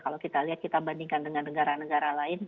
kalau kita lihat kita bandingkan dengan negara lainnya